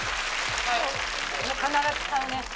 必ず買うね。